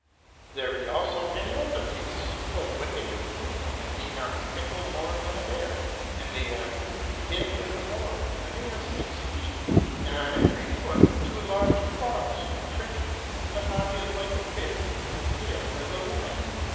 There be also many other beasts, full wicked and cruel, that be not mickle more than a bear, and they have the head like a boar, and they have six feet, and on every foot two large claws, trenchant; and the body is like a bear, and the tail as a lion.